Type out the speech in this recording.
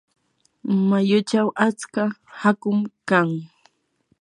mayuchaw atska aqum kan.